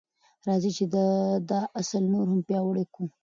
راځئ چې دا اصل نور هم پیاوړی کړو.